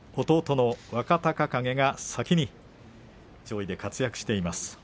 弟の若隆景が先に上位で活躍しています。